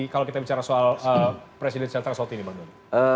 kalau kita bicara soal presidensial tersor ini bang do